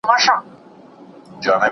ولس باید خپل اتلان هېر نه کړي.